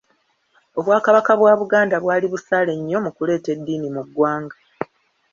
Obwakabaka bwa Buganda bwali busaale nnyo mu kuleeta eddiini mu ggwanga.